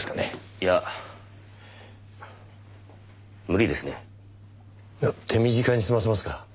いや手短に済ませますから。